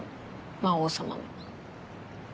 魔王様め。